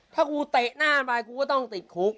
ถ้ากูเตะหน้าไปกูก็ต้องติดคุก